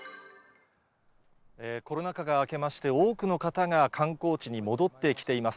コロナ禍が明けまして、多くの方が観光地に戻ってきています。